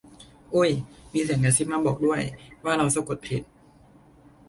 อุ๊ย มีเสียงกระซิบมาบอกด้วย ว่าเราสะกดผิด